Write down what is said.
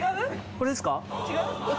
これですか？